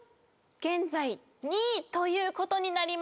現在２位ということになります。